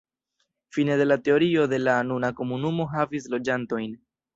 Fine de la teritorio de la nuna komunumo havis loĝantojn.